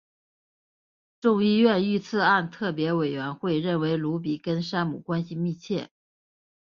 众议院遇刺案特别委员会认为鲁比跟山姆关系密切。